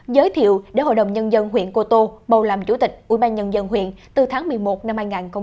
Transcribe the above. giới thiệu để hội đồng nhân dân huyện cô tô bầu làm chủ tịch ủy ban nhân dân huyện từ tháng một mươi một năm hai nghìn hai mươi